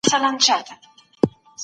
موږ اوس هم د ابن خلدون نظريات لولو.